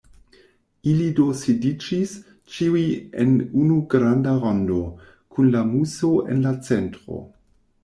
Ili do sidiĝis, ĉiuj en unu granda rondo, kun la Muso en la centro.